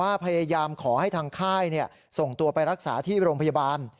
พยายามขอให้ทางค่ายส่งตัวไปรักษาที่โรงพยาบาล